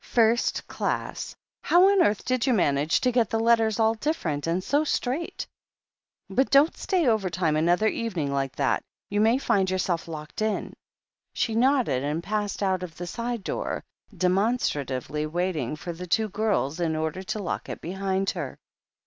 "First class. How on earth did you manage to get the letters all different and so straight ! But don't stay overtime another evening like that. You may find yourself locked in." She nodded and passed out of the side door, demon stratively waiting for the two girls, in order to lock it behind her.